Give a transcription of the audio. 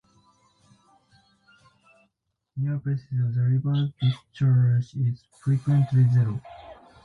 Near Presidio, the river's discharge is frequently zero.